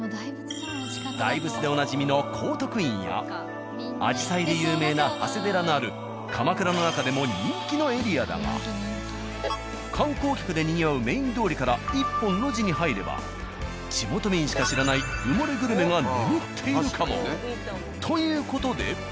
大仏でおなじみの高徳院やアジサイで有名な長谷寺のある鎌倉の中でも人気のエリアだが観光客でにぎわうメイン通りから１本路地に入れば地元民しか知らないという事で。